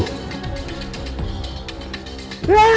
tidak ada yang bisa dipercaya